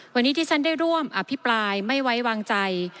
วันนี้ที่ฉันได้ร่วมอภิปรายไม่ไว้วางใจ